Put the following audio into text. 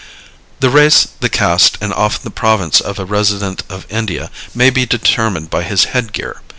The race, the caste and often the province of a resident of India may be determined by his headgear.